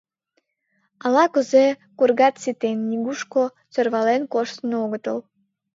Ала-кузе кургат ситен, нигушко сӧрвален коштын огытыл.